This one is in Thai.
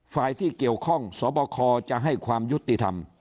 ฝ่ายที่เกี่ยวข้องสบคจะให้ความยุติธรรม